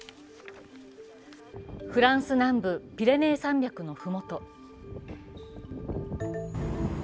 フランス南部ピレネー山脈の麓。